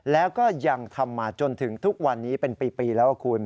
แล้วก็ยังทำมาจนถึงทุกวันนี้เป็นปีแล้วคุณ